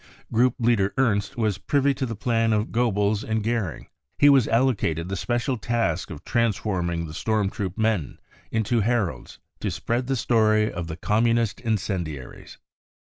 Group leader Ernst was privy to the plan of Goebbels and f Goering ; he was allocated the special task of transforming the storm troop men into heralds to spread the story of the u Communist 55 incendiaries.